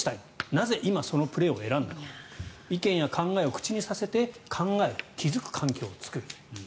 なぜ、今そのプレーを選んだのか意見や考えを口にさせて考える、気付く環境を作る。